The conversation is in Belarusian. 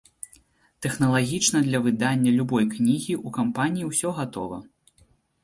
Тэхналагічна для выдання любой кнігі ў кампаніі ўсё гатова.